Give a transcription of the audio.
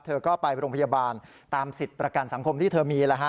เธอก็ไปโรงพยาบาลตามสิทธิ์ประกันสังคมที่เธอมี